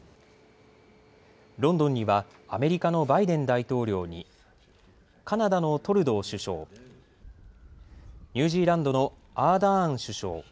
ロンドンにはアメリカのバイデン大統領に、カナダのトルドー首相、ニュージーランドのアーダーン首相。